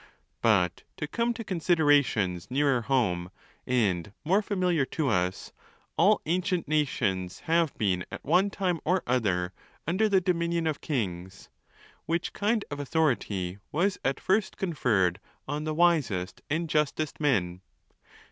II. But to come to considerations nearer home, and more familiar to us, all ancient nations have been at one time or other under the dominion of kings. Which kind of autho rity was at first conferred on the wisest and justest men.